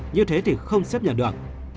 như thế thì không xếp nhận được